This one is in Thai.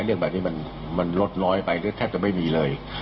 เรื่องแบบนี้มันลดน้อยไปหรือแทบจะไม่มีเลย